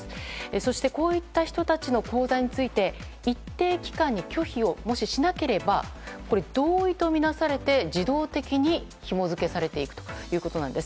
そしてこういった人たちの口座について一定期間に拒否をしなければ同意とみなされて自動的にひも付けされていくということなんです。